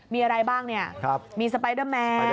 มีอะไรบ้างเนี่ยมีสไปเดอร์แมน